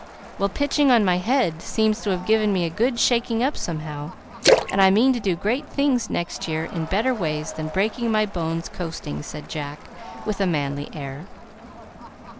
"Well, pitching on my head seems to have given me a good shaking up, somehow, and I mean to do great things next year in better ways than breaking my bones coasting," said Jack, with a manly air.